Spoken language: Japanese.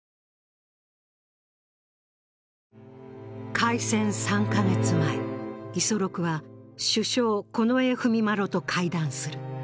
開戦３カ月前、五十六は首相・近衛文麿と会談する。